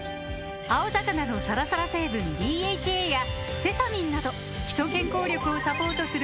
青魚のサラサラ成分ＤＨＡやセサミンなど基礎健康力をサポートする